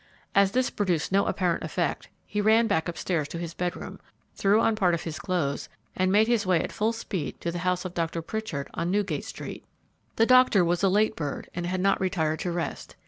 As this produced no apparent effect he ran back upstairs to his bedroom, threw on part of his clothes, and made his way at full speed to the house of Dr. Pritchard on Newgate street. The doctor was a late bird, and had not retired to rest.